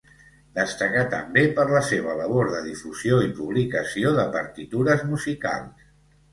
Destacà també per la seva labor de difusió i publicació de partitures musicals.